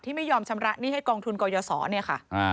ไม่ยอมชำระหนี้ให้กองทุนกยศรเนี่ยค่ะ